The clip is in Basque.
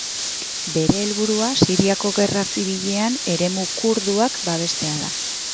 Bere helburua Siriako Gerra Zibilean eremu kurduak babestea da.